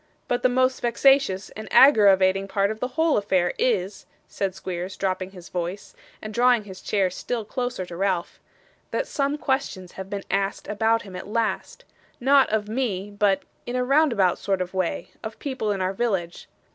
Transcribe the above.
But the most vexatious and aggeravating part of the whole affair is,' said Squeers, dropping his voice, and drawing his chair still closer to Ralph, 'that some questions have been asked about him at last not of me, but, in a roundabout kind of way, of people in our village.